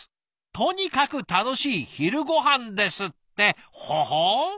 とにかく楽しい昼ご飯です」ってほほう！